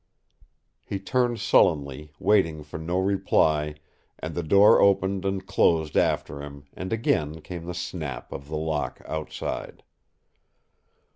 He turned sullenly, waiting for no reply, and the door opened and closed after him and again came the snap of the lock outside.